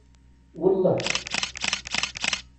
Welleh.